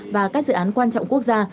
và các dự án quan trọng quốc gia